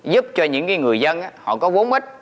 giúp cho những người dân họ có vốn ít